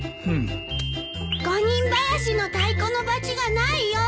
五人ばやしの太鼓のバチがないよ！